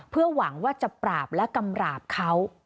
เพื่อหวังว่าจะปราบและกำราบเขา